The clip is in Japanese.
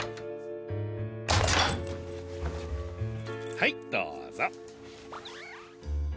はいどうぞ。